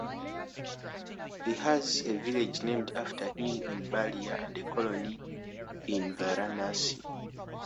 He has a village named after him in Ballia and a colony in Varanasi.